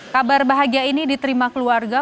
kabar bahagia ini diterima keluarga